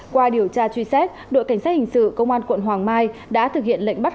qua điều tra truy xét đội cảnh sát hình sự công an quận hoàng mai đã thực hiện lệnh bắt